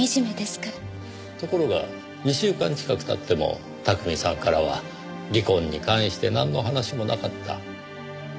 ところが２週間近く経っても巧さんからは離婚に関してなんの話もなかった。